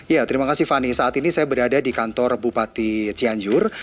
ya terima kasih fani saat ini saya berada di kantor bupati cianjur